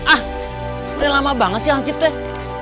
ah udah lama banget sih langsung teh